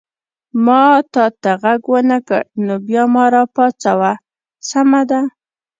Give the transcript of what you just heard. ما تا ته غږ ونه کړ نو بیا ما را پاڅوه، سمه ده؟